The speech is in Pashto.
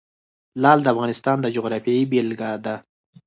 لعل د افغانستان د جغرافیې بېلګه ده.